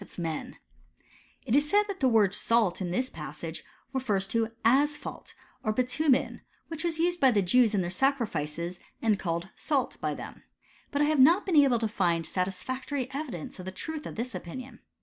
of men"* — ^it is said, that the word salt in this passage refers to asphalt, or bitumen, which was used by the Jews in their sacrifices, and called salt by them. But I have not been able to find satisfactory evidence of the truth of this opinion.